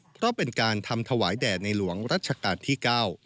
เพราะเป็นการทำถวายแด่ในหลวงรัชกาลที่๙